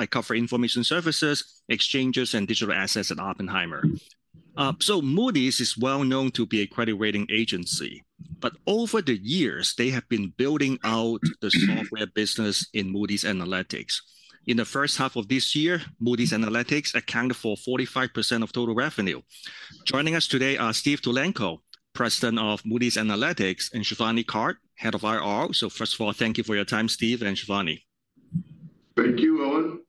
I cover information services, exchanges, and digital assets at Oppenheimer. So Moody's is well known to be a credit rating agency, but over the years, they have been building out the software business in Moody's Analytics. In the first half of this year, Moody's Analytics accounted for 45% of total revenue. Joining us today are Steve Tulenko, President of Moody's Analytics, and Shivani Kak, Head of IR. So first of all, thank you for your time, Steve and Shivani. Thank you, Owen.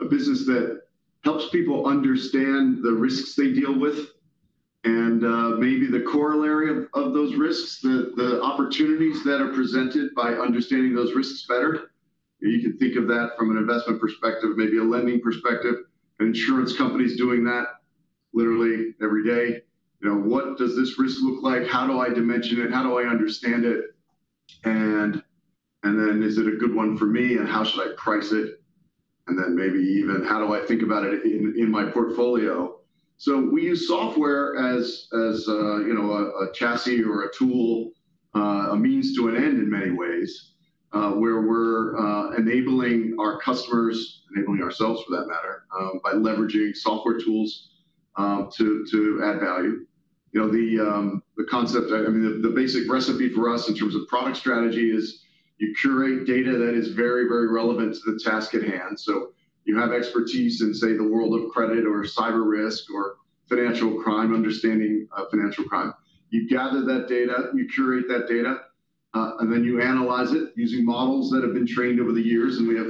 a business that helps people understand the risks they deal with and, maybe the corollary of those risks, the opportunities that are presented by understanding those risks better. You can think of that from an investment perspective, maybe a lending perspective. Insurance companies doing that literally every day. You know, what does this risk look like? How do I dimension it? How do I understand it? And then is it a good one for me, and how should I price it? And then maybe even how do I think about it in my portfolio? So we use software as you know, a chassis or a tool, a means to an end in many ways, where we're enabling our customers, enabling ourselves, for that matter, by leveraging software tools to add value. You know, the concept... I mean, the basic recipe for us in terms of product strategy is you curate data that is very, very relevant to the task at hand. So you have expertise in, say, the world of credit or cyber risk or financial crime, understanding financial crime. You gather that data, you curate that data, and then you analyze it using models that have been trained over the years, and we have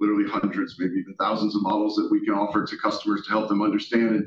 literally hundreds, maybe even thousands of models that we can offer to customers to help them understand and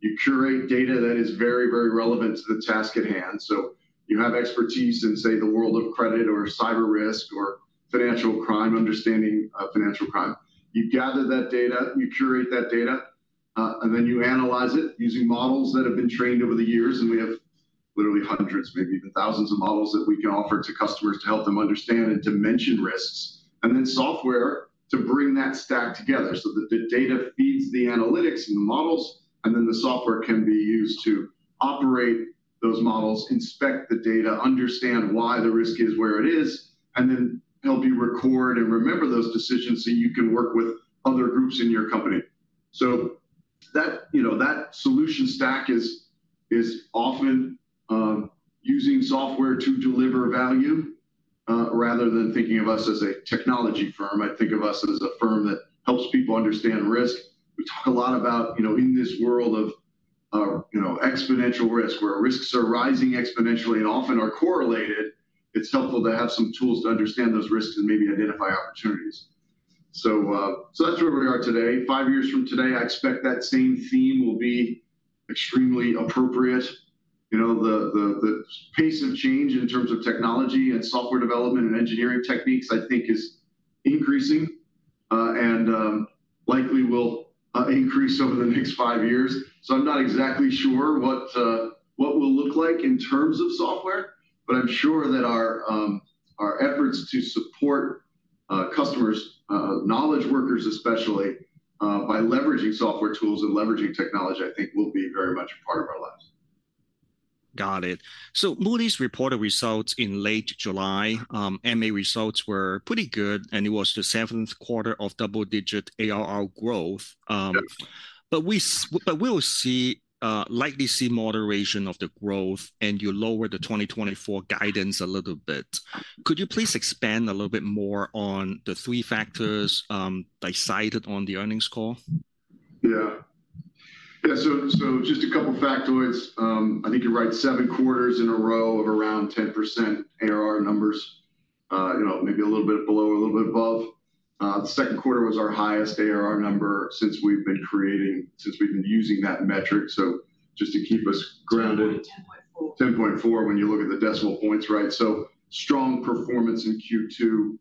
dimension risks. And then software to bring that stack together so that the data feeds the analytics and the models, and then the software can be used to operate those models, inspect the data, understand why the risk is where it is, and then help you record and remember those decisions so you can work with other groups in your company. So that, you know, that solution stack is often using software to deliver value rather than thinking of us as a technology firm. I think of us as a firm that helps people understand risk. We talk a lot about, you know, in this world of exponential risk, where risks are rising exponentially and often are correlated; it's helpful to have some tools to understand those risks and maybe identify opportunities. So that's where we are today. Five years from today, I expect that same theme will be extremely appropriate. You know, the pace of change in terms of technology and software development and engineering techniques, I think is increasing, and likely will increase over the next five years. So I'm not exactly sure what we'll look like in terms of software, but I'm sure that our efforts to support customers, knowledge workers especially, by leveraging software tools and leveraging technology, I think will be very much a part of our lives. Got it. So Moody's reported results in late July. MA results were pretty good, and it was the seventh quarter of double-digit ARR growth. Yep. But we will likely see moderation of the growth, and you lowered the 2024 guidance a little bit. Could you please expand a little bit more on the three factors that I cited on the earnings call? Yeah. Yeah, so just a couple of factoids. I think you're right, 7 quarters in a row of around 10% ARR numbers, you know, maybe a little bit below, a little bit above. The second quarter was our highest ARR number since we've been using that metric. So just to keep us grounded- 10.4. 10.4, when you look at the decimal points, right? So strong performance in Q2.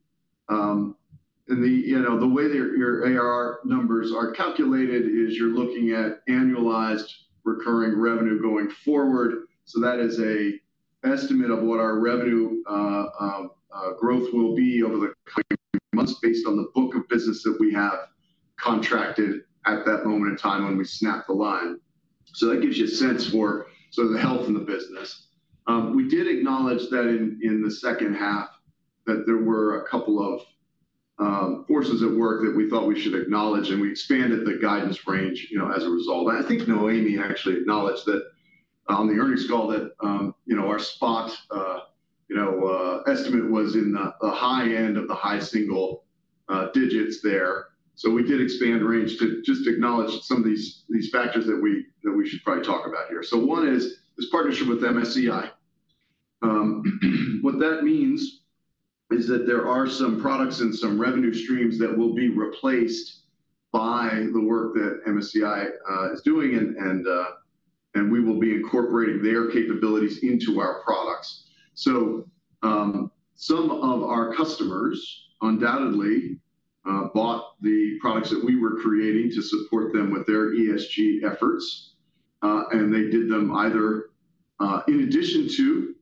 And the, you know, the way your, your ARR numbers are calculated is you're looking at annualized recurring revenue going forward. So that is an estimate of what our revenue, growth will be over the months based on the book of business that we have contracted at that moment in time when we snap the line. So that gives you a sense for sort of the health in the business. We did acknowledge that in the second half, that there were a couple of forces at work that we thought we should acknowledge, and we expanded the guidance range, you know, as a result. I think Noémie actually acknowledged that, on the earnings call that, you know, our spot estimate was in the high end of the high single digits there. So we did expand the range to just acknowledge some of these factors that we should probably talk about here. So one is, this partnership with MSCI. What that means is that there are some products and some revenue streams that will be replaced by the work that MSCI is doing, and we will be incorporating their capabilities into our products. So, some of our customers undoubtedly bought the products that we were creating to support them with their ESG efforts, and they did them either in addition to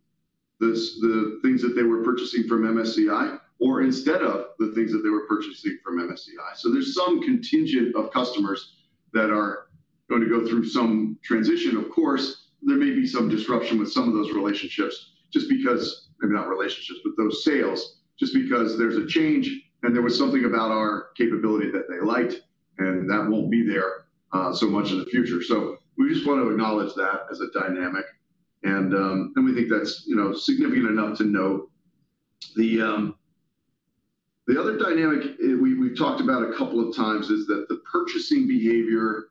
the things that they were purchasing from MSCI, or instead of the things that they were purchasing from MSCI. So there's some contingent of customers that are going to go through some transition. Of course, there may be some disruption with some of those relationships just because... Maybe not relationships, but those sales, just because there's a change, and there was something about our capability that they liked, and that won't be there so much in the future. So we just want to acknowledge that as a dynamic, and, and we think that's, you know, significant enough to note. The other dynamic, we, we've talked about a couple of times is that the purchasing behavior,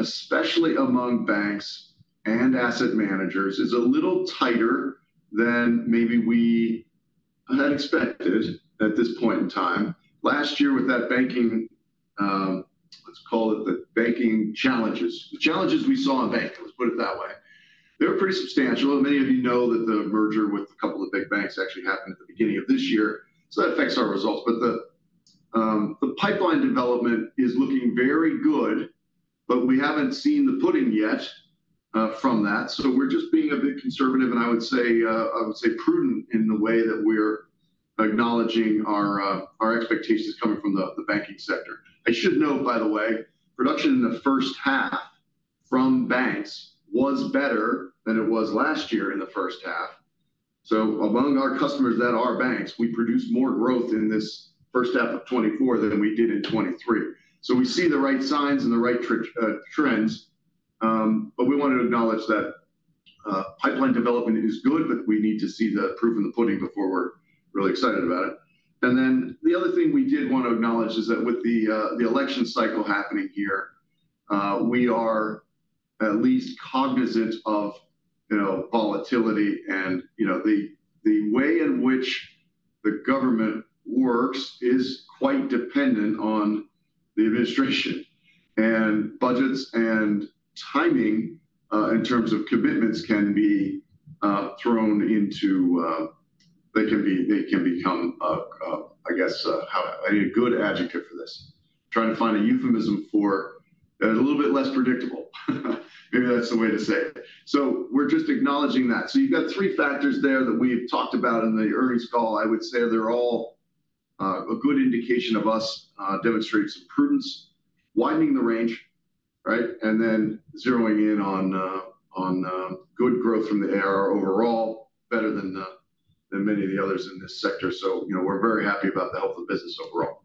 especially among banks and asset managers, is a little tighter than maybe we had expected at this point in time. Last year, with that banking, let's call it the banking challenges. The challenges we saw in banking, let's put it that way. They were pretty substantial, and many of you know that the merger with a couple of big banks actually happened at the beginning of this year. So that affects our results. But the pipeline development is looking very good, but we haven't seen the pudding yet, from that. So we're just being a bit conservative, and I would say, I would say prudent in the way that we're acknowledging our, our expectations coming from the, the banking sector. I should note, by the way, production in the first half from banks was better than it was last year in the first half. So among our customers that are banks, we produced more growth in this first half of 2024 than we did in 2023. So we see the right signs and the right trends, but we want to acknowledge that, pipeline development is good, but we need to see the proof in the pudding before we're really excited about it. And then the other thing we did want to acknowledge is that with the, the election cycle happening here, we are at least cognizant of, you know, volatility. And, you know, the, the way in which the government works is quite dependent on the administration. And budgets and timing, in terms of commitments, can be, thrown into... They can become a, I guess, I need a good adjective for this. Trying to find a euphemism for a little bit less predictable. Maybe that's the way to say it. So we're just acknowledging that. So you've got three factors there that we've talked about in the earnings call. I would say they're all a good indication of us demonstrating some prudence, widening the range, right? And then zeroing in on good growth from the ARR overall, better than many of the others in this sector. So, you know, we're very happy about the health of business overall.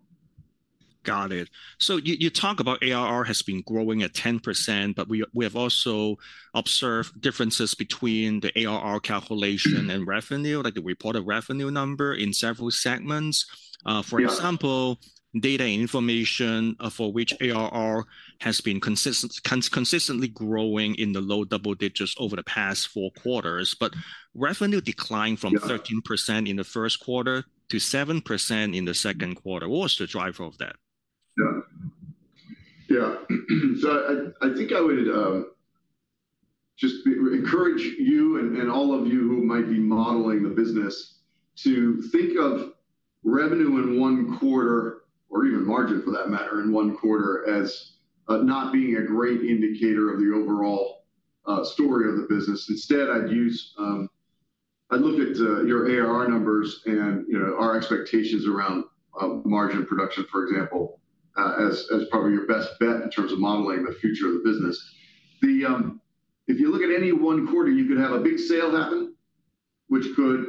Got it. So you talk about ARR has been growing at 10%, but we have also observed differences between the ARR calculation and revenue, like the reported revenue number in several segments. For example- Yeah... Data and Information, for which ARR has been consistently growing in the low double digits over the past four quarters, but revenue declined from- Yeah... 13% in the first quarter to 7% in the second quarter. What was the driver of that? Yeah. Yeah. So I think I would just encourage you and all of you who might be modeling the business to think of revenue in one quarter, or even margin, for that matter, in one quarter, as not being a great indicator of the overall story of the business. Instead, I'd use... I'd look at your ARR numbers and, you know, our expectations around margin production, for example, as probably your best bet in terms of modeling the future of the business. Then, if you look at any one quarter, you could have a big sale happen, which could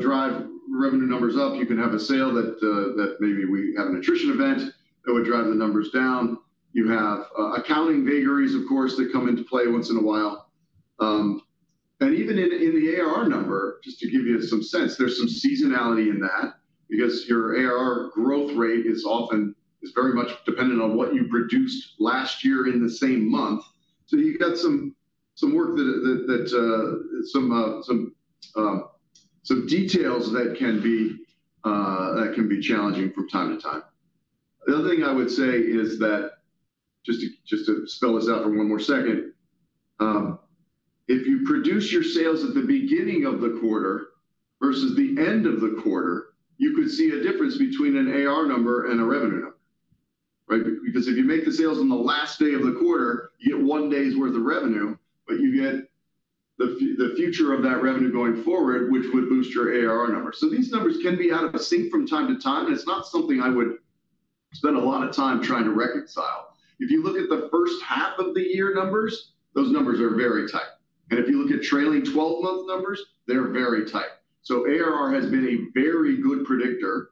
drive revenue numbers up. You can have a sale that that maybe we have an attrition event that would drive the numbers down. You have accounting vagaries, of course, that come into play once in a while. And even in the ARR number, just to give you some sense, there's some seasonality in that, because your ARR growth rate is often is very much dependent on what you produced last year in the same month. So you've got some work that can be challenging from time to time. The other thing I would say is that, just to spell this out for one more second, if you produce your sales at the beginning of the quarter versus the end of the quarter, you could see a difference between an ARR number and a revenue number, right? Because if you make the sales on the last day of the quarter, you get one day's worth of revenue, but you get the future of that revenue going forward, which would boost your ARR number. So these numbers can be out of sync from time to time, and it's not something I would spend a lot of time trying to reconcile. If you look at the first half of the year numbers, those numbers are very tight. And if you look at trailing twelve-month numbers, they're very tight. So ARR has been a very good predictor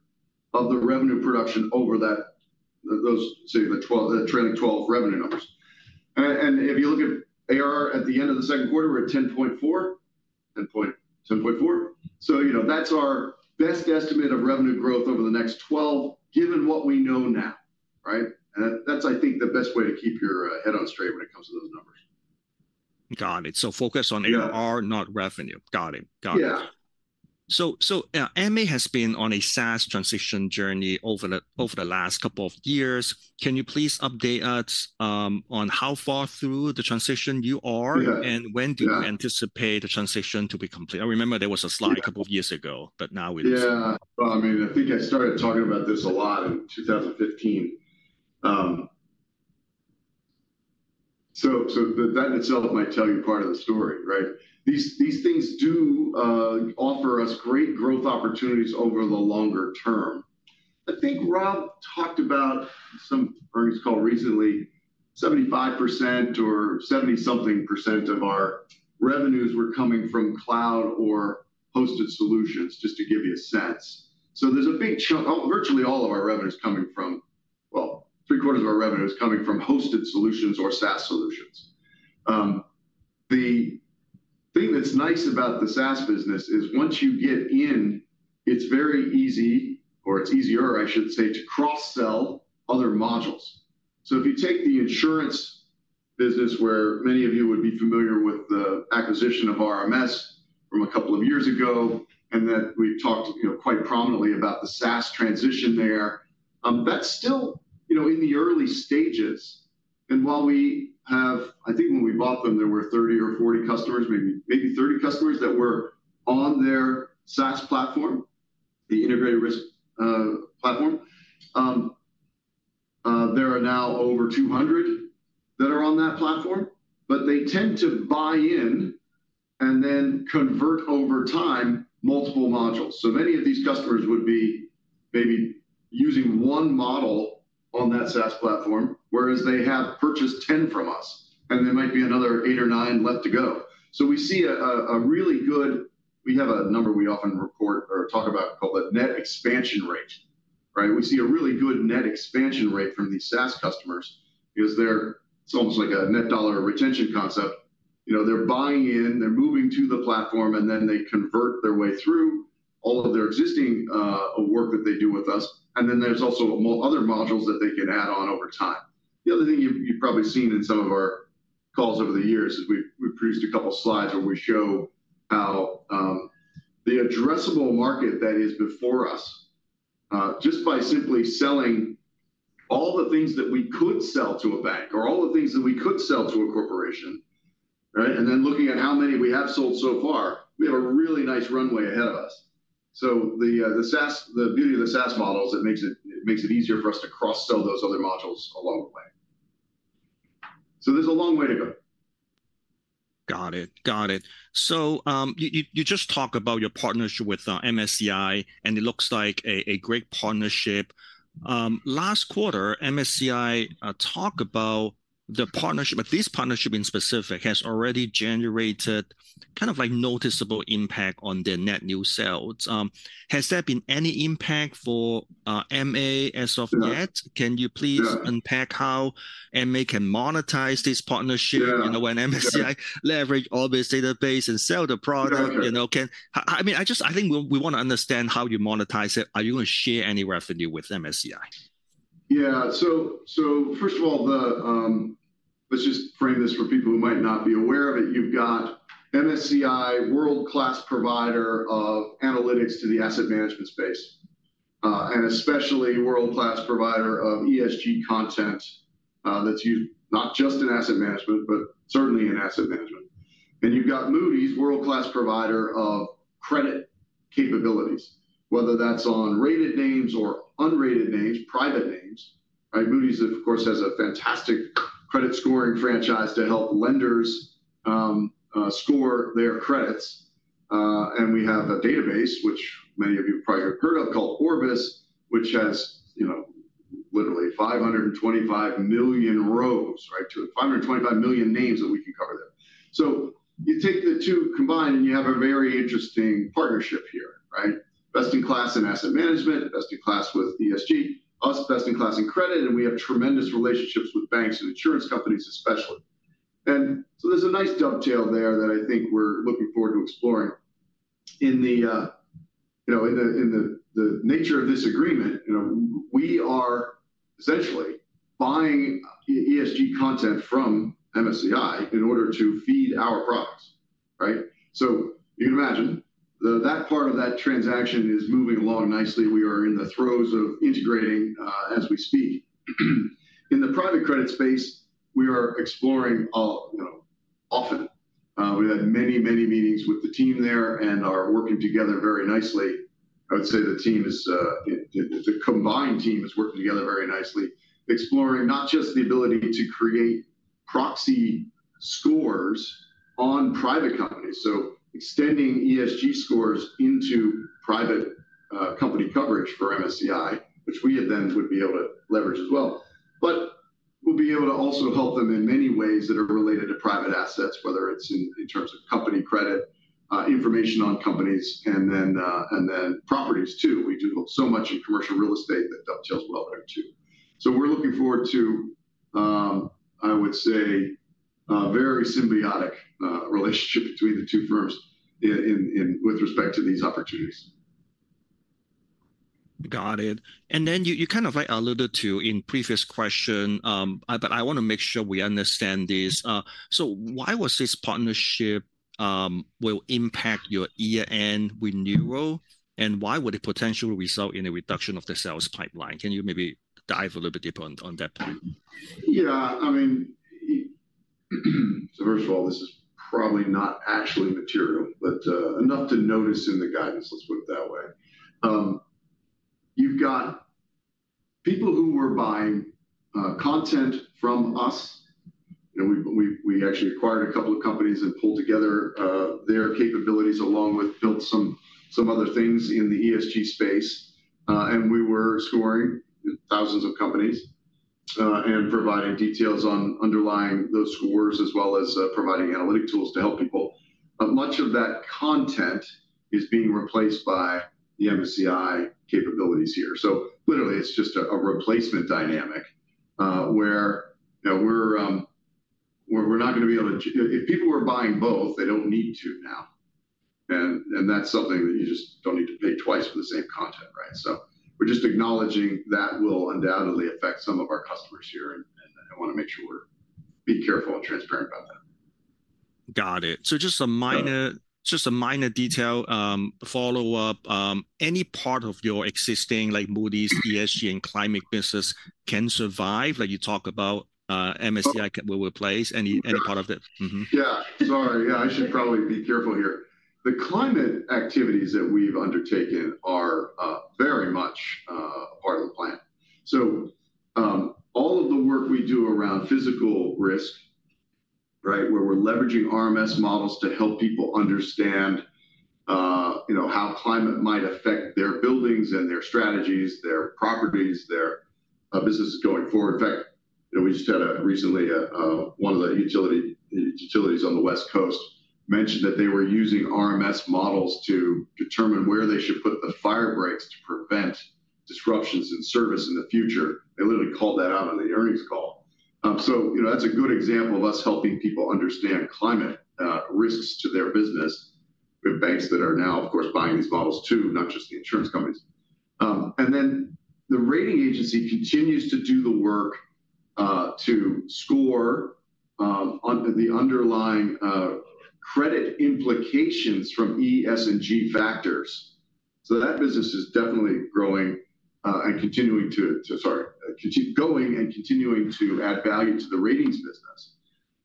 of the revenue production over that, those, say, the trailing twelve revenue numbers. And if you look at ARR at the end of the second quarter, we're at $10.4. You know, that's our best estimate of revenue growth over the next 12, given what we know now, right? That's, I think, the best way to keep your head on straight when it comes to those numbers. Got it. So focus on- Yeah... ARR, not revenue. Got it. Got it. Yeah. MA has been on a SaaS transition journey over the last couple of years. Can you please update us on how far through the transition you are? Yeah. When do you- Yeah... anticipate the transition to be complete? I remember there was a slide a couple of years ago, but now it is. Yeah. Well, I mean, I think I started talking about this a lot in 2015. So, so that in itself might tell you part of the story, right? These, these things do offer us great growth opportunities over the longer term. I think Rob talked about some earnings call recently, 75% or 70-something% of our revenues were coming from cloud or hosted solutions, just to give you a sense. So there's a big chu- virtually all of our revenue is coming from... Well, 75% of our revenue is coming from hosted solutions or SaaS solutions. The thing that's nice about the SaaS business is once you get in, it's very easy, or it's easier, I should say, to cross-sell other modules. So if you take the insurance business, where many of you would be familiar with the acquisition of RMS from a couple of years ago, and then we've talked, you know, quite prominently about the SaaS transition there, that's still, you know, in the early stages. And while we have, I think, when we bought them, there were 30 or 40 customers, maybe, maybe 30 customers that were on their SaaS platform, the Integrated Risk Platform. There are now over 200 that are on that platform, but they tend to buy in and then convert over time, multiple modules. So many of these customers would be maybe using one model on that SaaS platform, whereas they have purchased 10 from us, and there might be another 8 or 9 left to go. So we see a really good, we have a number we often report or talk about called the Net Expansion Rate, right? We see a really good Net Expansion Rate from these SaaS customers because they're, it's almost like a net dollar retention concept. You know, they're buying in, they're moving to the platform, and then they convert their way through all of their existing work that they do with us. And then there's also other modules that they can add on over time. The other thing you've probably seen in some of our calls over the years is we've produced a couple of slides where we show how the addressable market that is before us just by simply selling all the things that we could sell to a bank or all the things that we could sell to a corporation, right? And then looking at how many we have sold so far, we have a really nice runway ahead of us. So the beauty of the SaaS model is it makes it easier for us to cross-sell those other modules along the way. So there's a long way to go. Got it. Got it. So, you just talk about your partnership with MSCI, and it looks like a great partnership. Last quarter, MSCI talked about the partnership, but this partnership in specific has already generated kind of like noticeable impact on their net new sales. Has there been any impact for MA as of yet? Yeah. Can you please- Yeah... unpack how MA can monetize this partnership? Yeah. You know, when MSCI leverage all this database and sell the product- Yeah... you know, I mean, I just think we want to understand how you monetize it. Are you going to share any revenue with MSCI? Yeah. So first of all, the, let's just frame this for people who might not be aware of it. You've got MSCI, world-class provider of analytics to the asset management space, and especially world-class provider of ESG content, that's used not just in asset management, but certainly in asset management. Then you've got Moody's, world-class provider of credit capabilities, whether that's on rated names or unrated names, private names, right? Moody's, of course, has a fantastic credit scoring franchise to help lenders score their credits. And we have a database, which many of you have probably heard of, called Orbis, which has, you know, literally 525 million rows, right? To 525 million names that we can cover there. So you take the two combined, and you have a very interesting partnership here, right? Best-in-class in asset management, best-in-class with ESG, us, best-in-class in credit, and we have tremendous relationships with banks and insurance companies, especially. And so there's a nice dovetail there that I think we're looking forward to exploring.... in the, you know, in the, in the, the nature of this agreement, you know, we are essentially buying ESG content from MSCI in order to feed our products, right? So you can imagine, that part of that transaction is moving along nicely. We are in the throes of integrating, as we speak. In the private credit space, we are exploring, you know, often. We've had many, many meetings with the team there and are working together very nicely. I would say the combined team is working together very nicely, exploring not just the ability to create proxy scores on private companies, so extending ESG scores into private company coverage for MSCI, which we then would be able to leverage as well. But we'll be able to also help them in many ways that are related to private assets, whether it's in terms of company credit information on companies, and then properties, too. We do so much in commercial real estate that dovetails well there, too. So we're looking forward to, I would say, a very symbiotic relationship between the two firms in with respect to these opportunities. Got it. And then you, you kind of like alluded to in previous question, but I want to make sure we understand this. So why was this partnership will impact your year-end renewal, and why would it potentially result in a reduction of the sales pipeline? Can you maybe dive a little bit deeper on, on that part? Yeah, I mean, so first of all, this is probably not actually material, but enough to notice in the guidance, let's put it that way. You've got people who were buying content from us, and we actually acquired a couple of companies and pulled together their capabilities, along with built some other things in the ESG space. And we were scoring thousands of companies and providing details on underlying those scores, as well as providing analytic tools to help people. But much of that content is being replaced by the MSCI capabilities here. So literally, it's just a replacement dynamic, where, you know, we're not gonna be able to... If people were buying both, they don't need to now. And, and that's something that you just don't need to pay twice for the same content, right? So we're just acknowledging that will undoubtedly affect some of our customers here, and, and I want to make sure we're being careful and transparent about that. Got it. So just a minor- Yeah. Just a minor detail, follow-up. Any part of your existing, like, Moody's ESG and climate business can survive? Like, you talk about, MSCI will replace any, any part of it. Mm-hmm. Yeah. Sorry, yeah, I should probably be careful here. The climate activities that we've undertaken are, very much, part of the plan. So, all of the work we do around physical risk, right, where we're leveraging RMS models to help people understand, you know, how climate might affect their buildings and their strategies, their properties, their, businesses going forward. In fact, you know, we just had a, recently, a, one of the utility, utilities on the West Coast mentioned that they were using RMS models to determine where they should put the firebreaks to prevent disruptions in service in the future. They literally called that out on the earnings call. So you know, that's a good example of us helping people understand climate, risks to their business. We have banks that are now, of course, buying these models, too, not just the insurance companies. And then the rating agency continues to do the work to score on the underlying credit implications from E, S, and G factors. So that business is definitely growing and continuing Sorry, going and continuing to add value to the ratings business.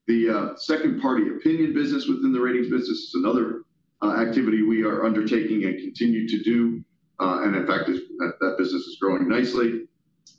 The second-party opinion business within the ratings business is another activity we are undertaking and continue to do, and in fact, that business is growing nicely.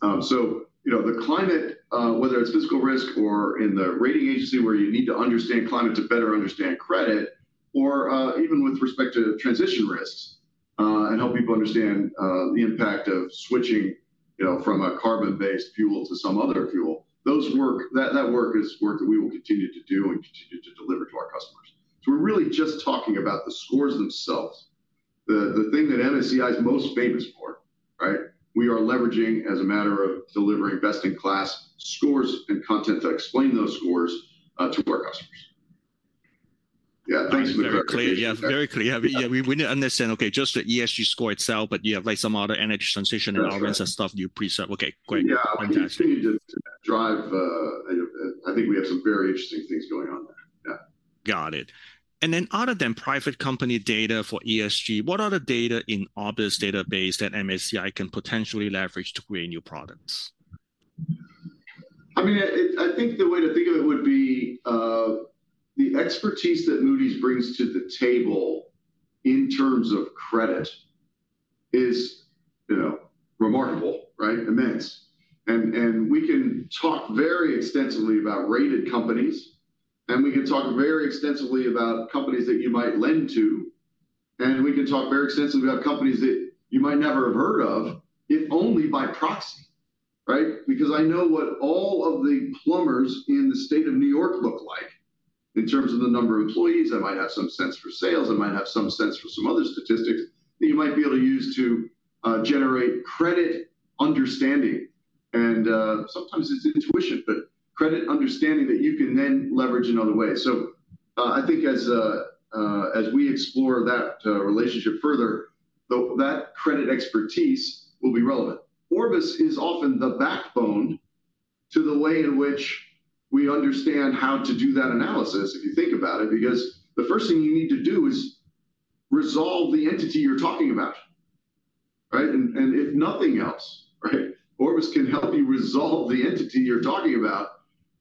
So you know, the climate, whether it's physical risk or in the rating agency, where you need to understand climate to better understand credit or, even with respect to transition risks, and help people understand, the impact of switching, you know, from a carbon-based fuel to some other fuel, those work, that, that work is work that we will continue to do and continue to deliver to our customers. So we're really just talking about the scores themselves. The, the thing that MSCI is most famous for, right? We are leveraging, as a matter of delivering best-in-class scores and content, to explain those scores, to our customers. Yeah, thanks for the clarification. Yeah, very clear. Yeah, yeah, we, we understand. Okay, just the ESG score itself, but you have, like, some other energy transition- That's right and other stuff you pre-sell. Okay, great. Fantastic. Yeah, we continue to drive. I think we have some very interesting things going on there. Yeah. Got it. And then other than private company data for ESG, what other data in Orbis database that MSCI can potentially leverage to create new products? I mean, I think the way to think of it would be, the expertise that Moody's brings to the table in terms of credit is, you know, remarkable, right? Immense. And we can talk very extensively about rated companies, and we can talk very extensively about companies that you might lend to, and we can talk very extensively about companies that you might never have heard of, if only by proxy, right? Because I know what all of the plumbers in the state of New York look like in terms of the number of employees. I might have some sense for sales. I might have some sense for some other statistics that you might be able to use to generate credit understanding... and sometimes it's intuition, but credit understanding that you can then leverage in other ways. So, I think as we explore that relationship further, though, that credit expertise will be relevant. Orbis is often the backbone to the way in which we understand how to do that analysis, if you think about it, because the first thing you need to do is resolve the entity you're talking about, right? And if nothing else, right, Orbis can help you resolve the entity you're talking about,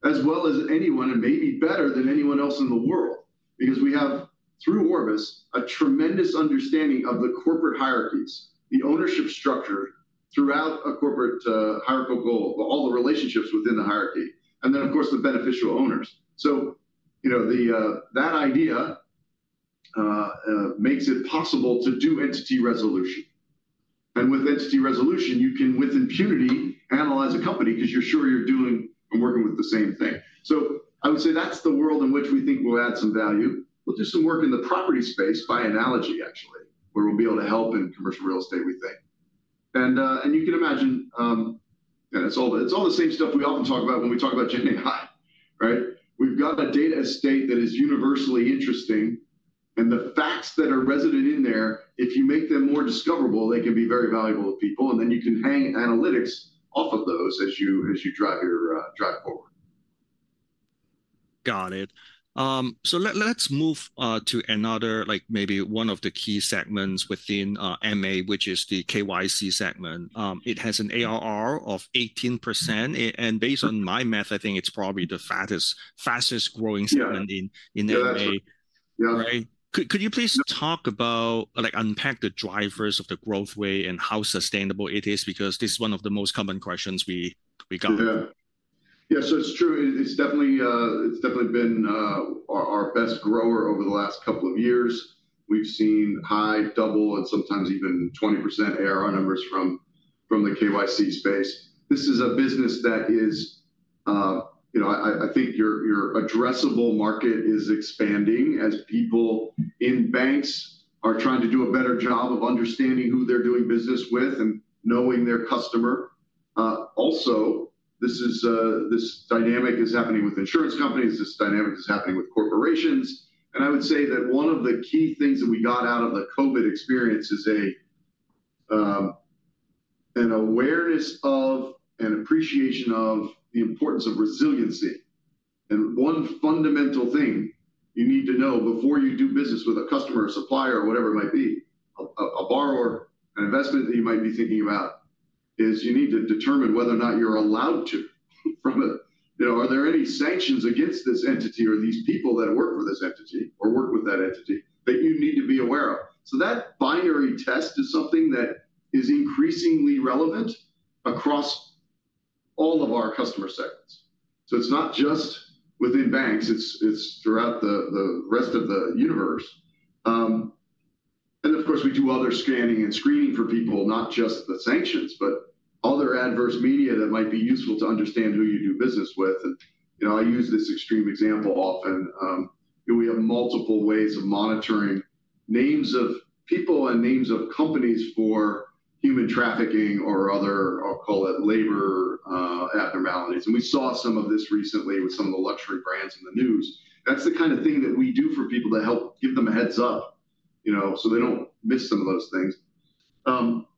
as well as anyone, and maybe better than anyone else in the world. Because we have, through Orbis, a tremendous understanding of the corporate hierarchies, the ownership structure throughout a corporate hierarchy globally, all the relationships within the hierarchy, and then, of course, the beneficial owners. So, you know, the... That idea makes it possible to do entity resolution, and with entity resolution, you can, with impunity, analyze a company 'cause you're sure you're doing and working with the same thing. So I would say that's the world in which we think we'll add some value. We'll do some work in the property space by analogy, actually, where we'll be able to help in commercial real estate, we think. And you can imagine. And it's all, it's all the same stuff we often talk about when we talk about gen AI, right? We've got a data estate that is universally interesting, and the facts that are resident in there, if you make them more discoverable, they can be very valuable to people, and then you can hang analytics off of those as you drive your drive forward. Got it. So let's move to another, like, maybe one of the key segments within MA, which is the KYC segment. It has an ARR of 18%, and based on my math, I think it's probably the fattest, fastest-growing segment- Yeah in MA. Yeah. Right? Could you please talk about, like, unpack the drivers of the growth way and how sustainable it is, because this is one of the most common questions we got. Yeah. Yeah, so it's true. It, it's definitely... It's definitely been, our, our best grower over the last couple of years. We've seen high double and sometimes even 20% ARR numbers from, from the KYC space. This is a business that is... You know, I, I, I think your, your addressable market is expanding as people in banks are trying to do a better job of understanding who they're doing business with and knowing their customer. Also, this is, this dynamic is happening with insurance companies. This dynamic is happening with corporations, and I would say that one of the key things that we got out of the COVID experience is a, an awareness of and appreciation of the importance of resiliency. And one fundamental thing you need to know before you do business with a customer, supplier, whatever it might be, a borrower, an investment that you might be thinking about, is you need to determine whether or not you're allowed to, from a... You know, are there any sanctions against this entity or these people that work for this entity or work with that entity that you need to be aware of? So that binary test is something that is increasingly relevant across all of our customer segments. So it's not just within banks, it's throughout the rest of the universe. And of course, we do other scanning and screening for people, not just the sanctions, but other adverse media that might be useful to understand who you do business with. And, you know, I use this extreme example often. We have multiple ways of monitoring names of people and names of companies for human trafficking or other, I'll call it, labor abnormalities, and we saw some of this recently with some of the luxury brands in the news. That's the kind of thing that we do for people to help give them a heads-up, you know, so they don't miss some of those things.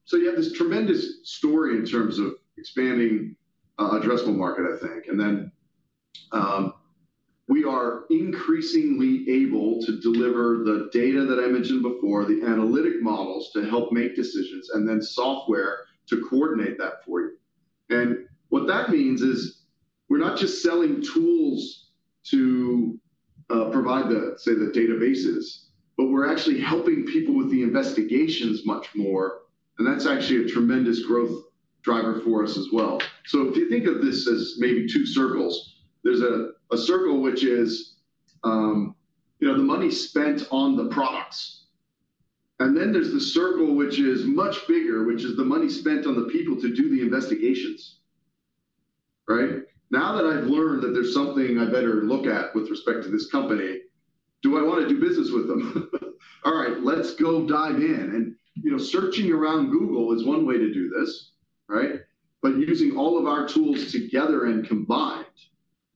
So you have this tremendous story in terms of expanding addressable market, I think. And then, we are increasingly able to deliver the data that I mentioned before, the analytic models, to help make decisions, and then software to coordinate that for you. What that means is, we're not just selling tools to provide the, say, the databases, but we're actually helping people with the investigations much more, and that's actually a tremendous growth driver for us as well. So if you think of this as maybe two circles, there's a circle which is, you know, the money spent on the products, and then there's the circle which is much bigger, which is the money spent on the people to do the investigations, right? Now that I've learned that there's something I better look at with respect to this company, do I want to do business with them? All right, let's go dive in. You know, searching around Google is one way to do this, right? But using all of our tools together and combined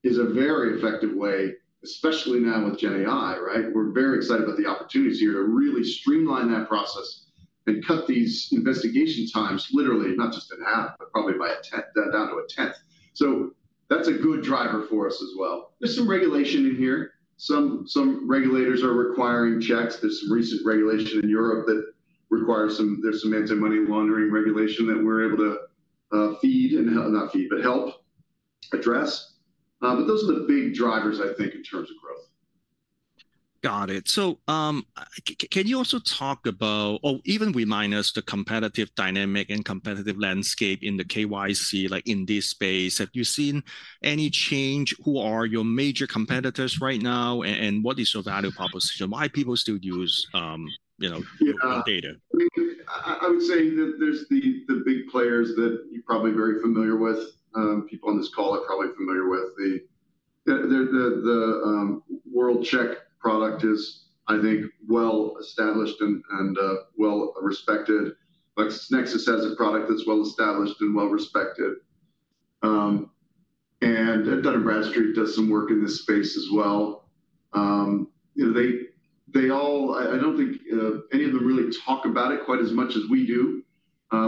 is a very effective way, especially now with GenAI, right? We're very excited about the opportunities here to really streamline that process and cut these investigation times literally, not just in half, but probably by a tenth, down to a tenth. So that's a good driver for us as well. There's some regulation in here. Some regulators are requiring checks. There's some recent regulation in Europe that requires some. There's some anti-money laundering regulation that we're able to feed and not feed, but help address. But those are the big drivers, I think, in terms of growth. Got it. So, can you also talk about, or even remind us, the competitive dynamic and competitive landscape in the KYC, like, in this space? Have you seen any change? Who are your major competitors right now, and what is your value proposition? Why people still use, you know, Data? I would say that there's the big players that you're probably very familiar with, people on this call are probably familiar with, the World-Check product is, I think, well-established and well-respected. Like, LexisNexis has a product that's well-established and well-respected. And Dun & Bradstreet does some work in this space as well. You know, they all-- I don't think any of them really talk about it quite as much as we do.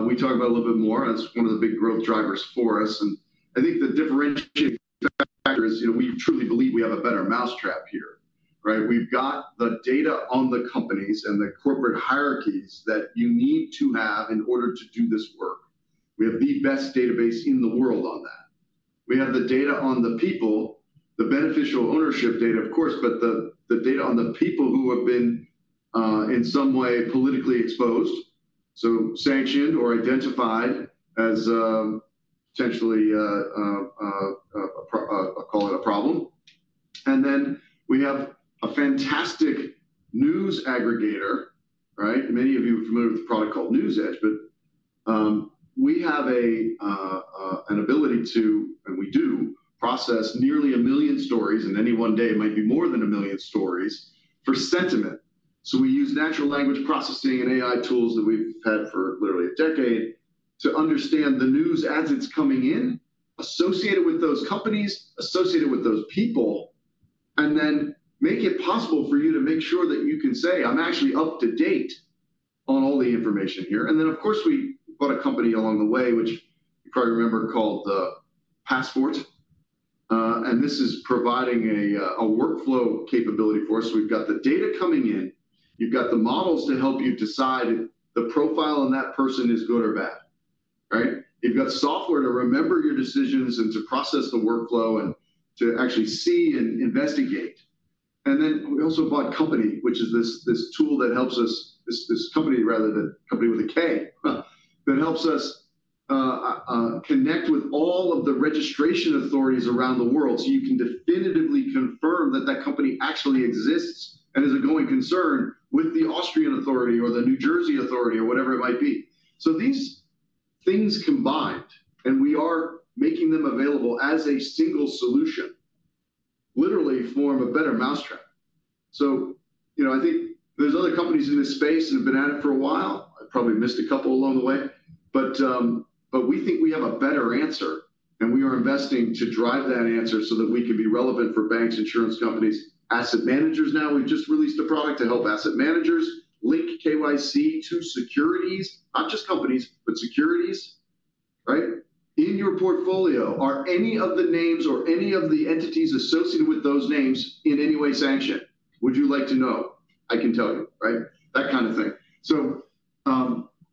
We talk about it a little bit more, and it's one of the big growth drivers for us, and I think the differentiating factor is, you know, we truly believe we have a better mousetrap here, right? We've got the data on the companies and the corporate hierarchies that you need to have in order to do this work. We have the best database in the world on that. We have the data on the people, the beneficial ownership data, of course, but the data on the people who have been in some way politically exposed, so sanctioned or identified as potentially a problem. And then we have a fantastic news aggregator, right? Many of you are familiar with a product called NewsEdge, but we have an ability to, and we do, process nearly a million stories. In any one day it might be more than a million stories, for sentiment. So we use natural language processing and AI tools that we've had for literally a decade to understand the news as it's coming in, associate it with those companies, associate it with those people, and then make it possible for you to make sure that you can say, "I'm actually up-to-date on all the information here." And then, of course, we bought a company along the way, which you probably remember, called PassFort. And this is providing a workflow capability for us. We've got the data coming in. You've got the models to help you decide if the profile on that person is good or bad, right? You've got software to remember your decisions and to process the workflow and to actually see and investigate. And then we also bought kompany, which is this, this tool that helps us... This, this company with a K, that helps us connect with all of the registration authorities around the world, so you can definitively confirm that that company actually exists and is a going concern with the Austrian Authority or the New Jersey Authority, or whatever it might be. So these things combined, and we are making them available as a single solution, literally form a better mousetrap. So, you know, I think there's other companies in this space and have been at it for a while. I probably missed a couple along the way, but we think we have a better answer, and we are investing to drive that answer so that we can be relevant for banks, insurance companies, asset managers now. We've just released a product to help asset managers link KYC to securities, not just companies, but securities, right? In your portfolio, are any of the names or any of the entities associated with those names in any way sanctioned? Would you like to know? I can tell you, right? That kind of thing.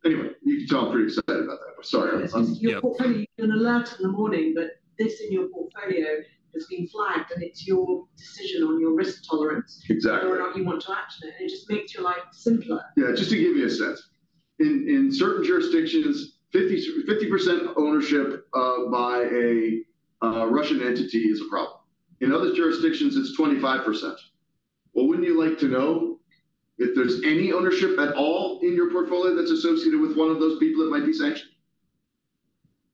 Anyway, you can tell I'm pretty excited about that. Sorry. Your portfolio, you're gonna learn in the morning that this in your portfolio has been flagged, and it's your decision on your risk tolerance. Exactly. Whether or not you want to action it, and it just makes your life simpler. Yeah, just to give you a sense, in certain jurisdictions, 50% ownership by a Russian entity is a problem. In other jurisdictions, it's 25%. Well, wouldn't you like to know if there's any ownership at all in your portfolio that's associated with one of those people that might be sanctioned,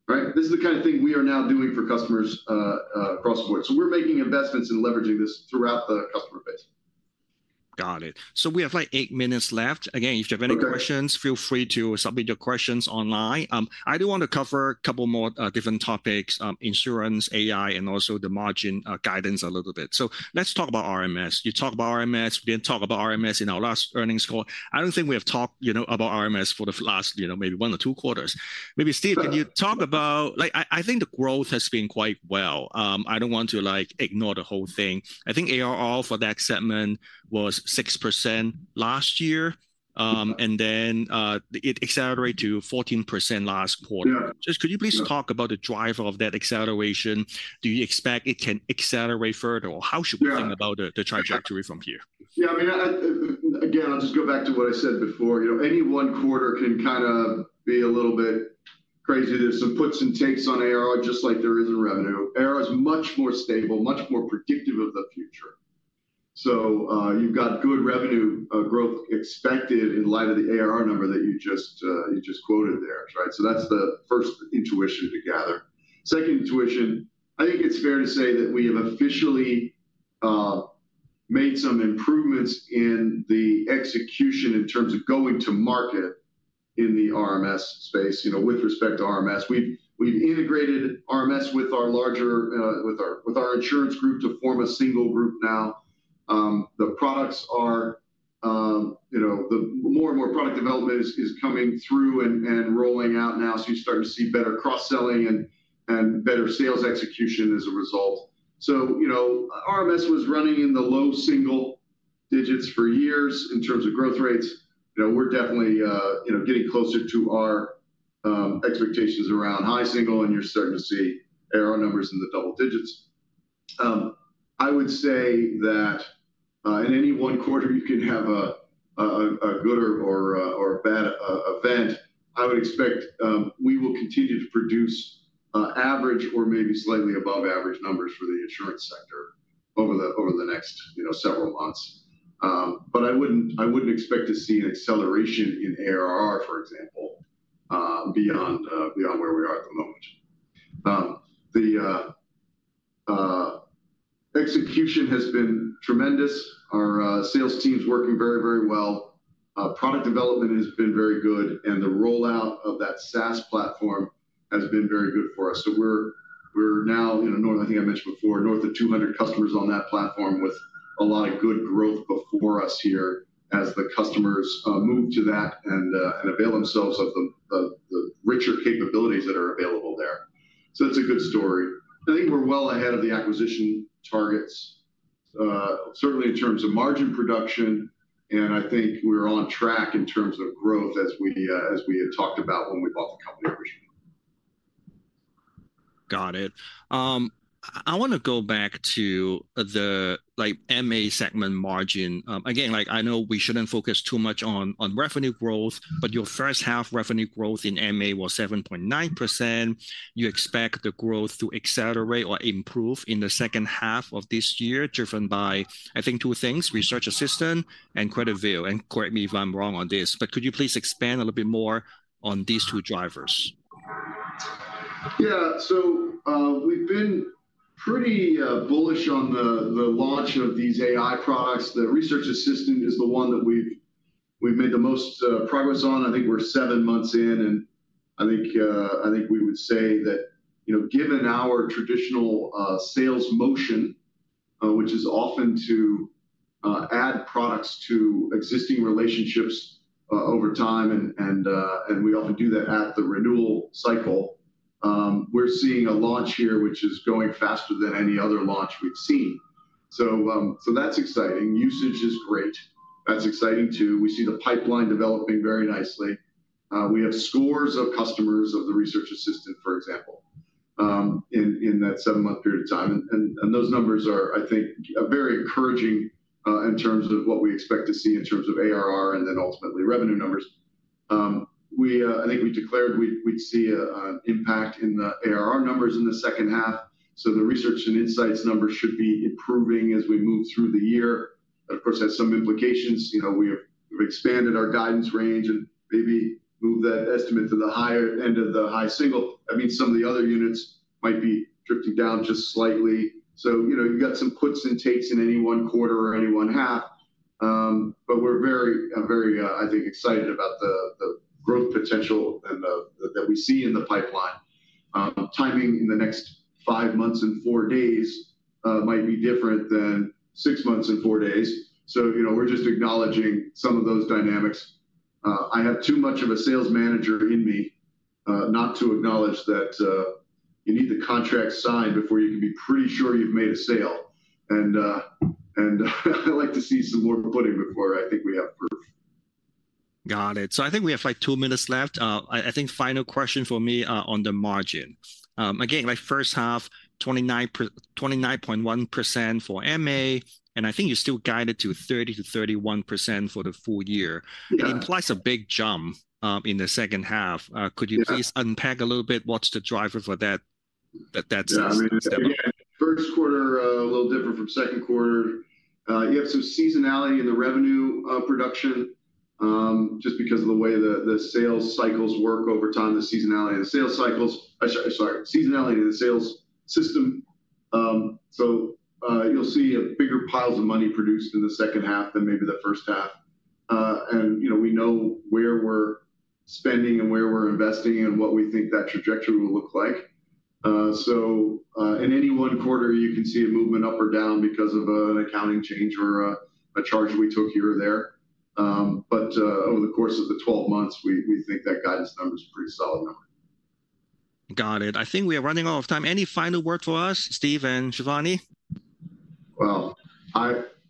right? This is the kind of thing we are now doing for customers across the board. So we're making investments in leveraging this throughout the customer base. Got it. So we have, like, 8 minutes left. Okay. Again, if you have any questions, feel free to submit your questions online. I do want to cover a couple more different topics, insurance, AI, and also the margin guidance a little bit. So let's talk about RMS. You talked about RMS, we didn't talk about RMS in our last earnings call. I don't think we have talked, you know, about RMS for the last, you know, maybe one or two quarters. Yeah. Maybe, Steve, can you talk about... Like, I think the growth has been quite well. I don't want to, like, ignore the whole thing. I think ARR for that segment was 6% last year. Mm-hmm. And then, it accelerated to 14% last quarter. Yeah. Just, could you please talk about the driver of that acceleration? Do you expect it can accelerate further, or how should we- Yeah think about the, the trajectory from here? Yeah, I mean, again, I'll just go back to what I said before, you know, any one quarter can kind of be a little bit crazy. There's some puts and takes on ARR, just like there is in revenue. ARR is much more stable, much more predictive of the future. So, you've got good revenue growth expected in light of the ARR number that you just quoted there, right? So that's the first intuition to gather. Second intuition, I think it's fair to say that we have officially made some improvements in the execution in terms of going to market in the RMS space, you know, with respect to RMS. We've integrated RMS with our larger insurance group to form a single group now. The products are, you know, the more and more product development is coming through and rolling out now, so you're starting to see better cross-selling and better sales execution as a result. So, you know, RMS was running in the low single digits for years in terms of growth rates. You know, we're definitely, you know, getting closer to our expectations around high single, and you're starting to see ARR numbers in the double digits. I would say that, in any one quarter, you can have a good or a bad event. I would expect, we will continue to produce average or maybe slightly above average numbers for the insurance sector over the next, you know, several months. But I wouldn't expect to see an acceleration in ARR, for example, beyond where we are at the moment. The execution has been tremendous. Our sales team's working very, very well. Product development has been very good, and the rollout of that SaaS platform has been very good for us. So we're now, you know, north, I think I mentioned before, north of 200 customers on that platform, with a lot of good growth before us here as the customers move to that and avail themselves of the richer capabilities that are available there. So it's a good story. I think we're well ahead of the acquisition targets, certainly in terms of margin production, and I think we're on track in terms of growth as we, as we had talked about when we bought the company originally. Got it. I wanna go back to the, like, MA segment margin. Again, like, I know we shouldn't focus too much on revenue growth, but your first half revenue growth in MA was 7.9%. You expect the growth to accelerate or improve in the second half of this year, driven by, I think, two things: Research Assistant and CreditView, and correct me if I'm wrong on this, but could you please expand a little bit more on these two drivers? Yeah. So, we've been pretty bullish on the launch of these AI products. The Research Assistant is the one that we've made the most progress on. I think we're seven months in, and I think we would say that, you know, given our traditional sales motion, which is often to add products to existing relationships over time, and we often do that at the renewal cycle, we're seeing a launch here, which is going faster than any other launch we've seen. So that's exciting. Usage is great. That's exciting, too. We see the pipeline developing very nicely. We have scores of customers of the Research Assistant, for example, in that seven-month period of time, and those numbers are, I think, very encouraging, in terms of what we expect to see in terms of ARR and then ultimately revenue numbers. I think we declared we'd see an impact in the ARR numbers in the second half, so the Research and Insights numbers should be improving as we move through the year. That, of course, has some implications. You know, we've expanded our guidance range and maybe moved that estimate to the higher end of the high single. I mean, some of the other units might be drifting down just slightly. So, you know, you've got some gives and takes in any one quarter or any one half. But we're very, very, I think, excited about the, the growth potential and the, that we see in the pipeline. Timing in the next 5 months and 4 days might be different than 6 months and 4 days, so, you know, we're just acknowledging some of those dynamics. I have too much of a sales manager in me, not to acknowledge that you need the contract signed before you can be pretty sure you've made a sale. And, and I'd like to see some more pudding before I think we have proof. Got it. So I think we have, like, 2 minutes left. I think final question for me, on the margin. Again, like first half, 29.1% for MA, and I think you're still guided to 30%-31% for the full year. Yeah. It implies a big jump in the second half. Yeah. Could you please unpack a little bit what's the driver for that- Yeah, I mean- Step. First quarter, a little different from second quarter. You have some seasonality in the revenue production, just because of the way the sales cycles work over time, the seasonality of the sales cycles. Sorry, sorry, seasonality in the sales system. So, you'll see bigger piles of money produced in the second half than maybe the first half. And you know, we know where we're spending and where we're investing and what we think that trajectory will look like. So, in any one quarter, you can see a movement up or down because of an accounting change or a charge we took here or there. But, over the course of the 12 months, we think that guidance number is a pretty solid number. Got it. I think we are running out of time. Any final word for us, Steve and Shivani? Well,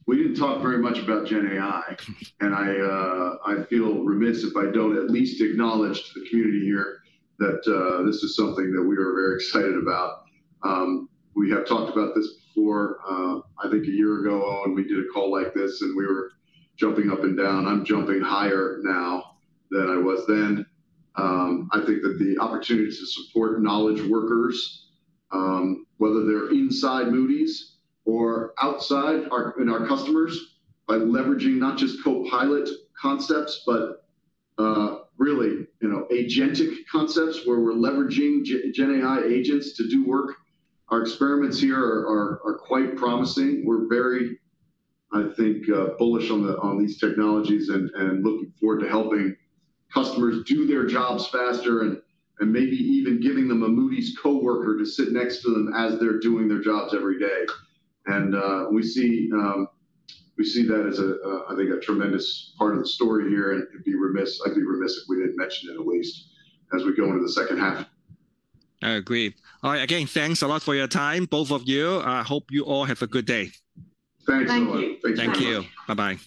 we didn't talk very much about GenAI, and I feel remiss if I don't at least acknowledge to the community here that this is something that we are very excited about. We have talked about this before. I think a year ago when we did a call like this, and we were jumping up and down. I'm jumping higher now than I was then. I think that the opportunity to support knowledge workers, whether they're inside Moody's or outside our, in our customers, by leveraging not just copilot concepts, but really, you know, agentic concepts, where we're leveraging GenAI agents to do work, our experiments here are quite promising. We're very, I think, bullish on these technologies and, and looking forward to helping customers do their jobs faster and, and maybe even giving them a Moody's coworker to sit next to them as they're doing their jobs every day. And, we see, we see that as a, I think, a tremendous part of the story here, and it'd be remiss, I'd be remiss if we didn't mention it at least as we go into the second half. I agree. All right. Again, thanks a lot for your time, both of you. I hope you all have a good day. Thanks a lot. Thank you. Thank you very much. Thank you. Bye-bye.